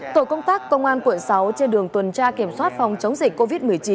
tổ công tác công an quận sáu trên đường tuần tra kiểm soát phòng chống dịch covid một mươi chín